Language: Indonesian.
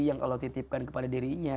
yang allah titipkan kepada dirinya